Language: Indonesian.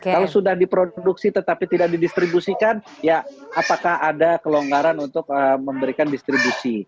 kalau sudah diproduksi tetapi tidak didistribusikan ya apakah ada kelonggaran untuk memberikan distribusi